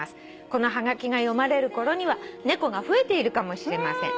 「このはがきが読まれるころには猫が増えているかもしれません」